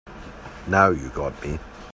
Now you got me.